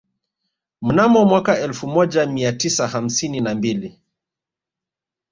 Mnamo mwaka elfu moja mia tisa hamsini na mbili